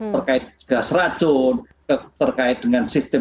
terkait gas racun terkait dengan sistem